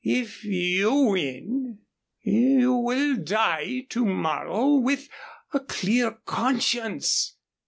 If you win, you will die to morrow with a clear conscience.